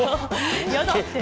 やだ？